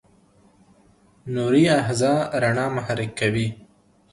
نوري آخذه رڼا محرک کوي.